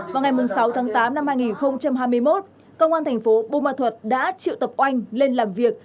vào ngày sáu tháng tám năm hai nghìn hai mươi một công an tp hcm đã triệu tập oanh lên làm việc